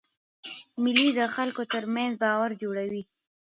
مېلې د خلکو ترمنځ باور جوړوي.